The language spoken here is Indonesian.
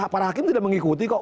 para hakim tidak mengikuti kok